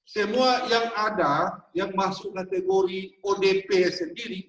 semua yang ada yang masuk kategori odp sendiri